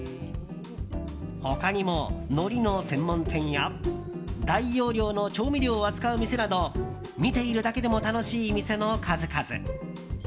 他にも、のりの専門店や大容量の調味料を扱う店など見ているだけでも楽しい店の数々。